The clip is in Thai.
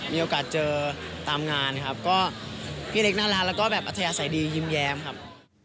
มีโอกาสเจอตามงานครับก็พี่เล็กน่ารักแล้วก็แบบอัธยาศัยดียิ้มแย้มครับ